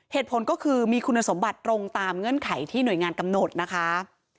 เหตุผลก็คือมีคุณสมบัติตรงตามเงื่อนไขที่หน่วยงานกำหนดนะคะ